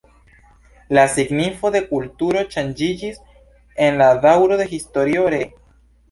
La signifo de kulturo ŝanĝiĝis en la daŭro de historio ree.